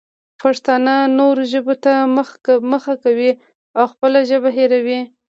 پښتانه نورو ژبو ته مخه کوي او خپله ژبه هېروي.